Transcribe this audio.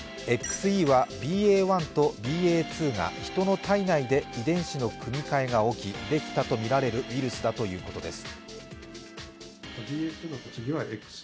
ＸＥはＢＡ．１とＢＡ．２が組み合わさった人の体内で遺伝子の組み換えができたとみられるウイルスだということです。